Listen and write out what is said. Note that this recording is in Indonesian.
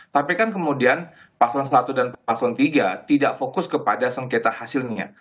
tapi kan kemudian paslon satu dan paslon tiga tidak fokus kepada sengketa hasilnya